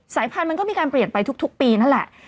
พันธุ์มันก็มีการเปลี่ยนไปทุกปีนั่นแหละ